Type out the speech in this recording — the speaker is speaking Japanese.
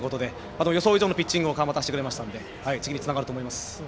ただ、予想以上のピッチングを川又はしてくれたので次につながると思います。